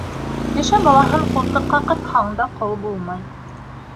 Кеше балаһын ҡултыҡҡа ҡыҫһаң да ҡол булмай.